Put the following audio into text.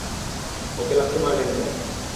ওকে লাথি মারলেন কেন?